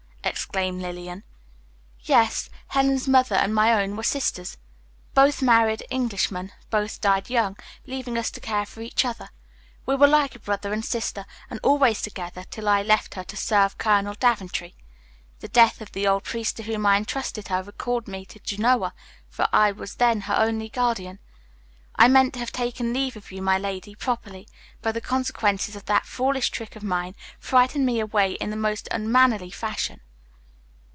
exclaimed Lillian. "Yes, Helen's mother and my own were sisters. Both married Englishmen, both died young, leaving us to care for each other. We were like a brother and sister, and always together till I left her to serve Colonel Daventry. The death of the old priest to whom I entrusted her recalled me to Genoa, for I was then her only guardian. I meant to have taken leave of you, my lady, properly, but the consequences of that foolish trick of mine frightened me away in the most unmannerly fashion."